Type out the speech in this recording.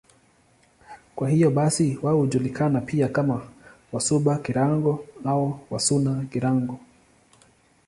Kwa hiyo basi wao hujulikana pia kama Wasuba-Girango au Wasuna-Girango.